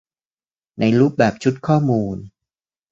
ในรูปแบบชุดข้อมูล